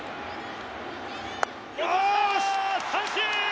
三振！